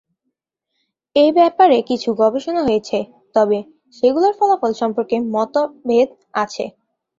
এ ব্যাপারে কিছু গবেষণা হয়েছে, তবে সেগুলোর ফলাফল সম্পর্কে মতভেদ আছে।